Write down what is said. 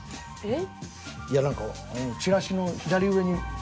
えっ。